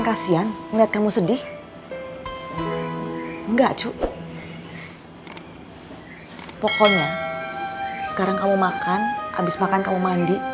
kasihan ngeliat kamu sedih enggak cuk pokoknya sekarang kamu makan habis makan kamu mandi